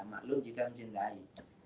maklum jika mencintai